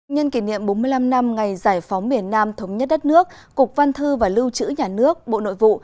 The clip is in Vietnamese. nhân kỷ niệm bốn mươi năm năm ngày giải phóng miền nam thống nhất đất nước cục văn thư và lưu trữ nhà nước bộ nội vụ